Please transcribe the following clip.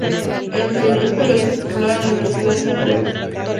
Es periodista titulado en la Universidad de Santiago.